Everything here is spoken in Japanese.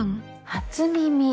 初耳。